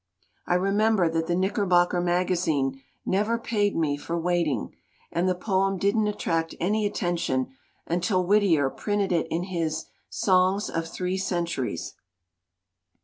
I remember that the Knickerbocker Magazine never paid me for Waiting, and the poem didn't attract any attention until Whittier printed it in his Songs of Three Centuries.